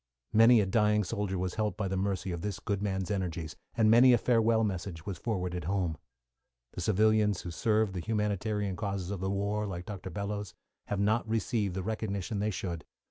Many a dying soldier was helped by the mercy of this good man's energies, and many a farewell message was forwarded home. The civilians who served the humanitarian causes of the war, like Dr. Bellows, have not received the recognition they should.